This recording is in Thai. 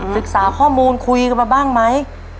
ศึกษาข้อมูลคุยกันมาบ้างไหม